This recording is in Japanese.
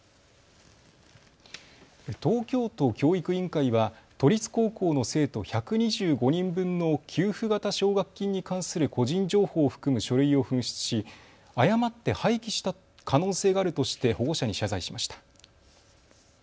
東京都教育委員会は都立高校の生徒１２５人分の給付型奨学金に関する個人情報を含む書類を紛失し誤って廃棄した可能性があるとして保護者に謝罪しました。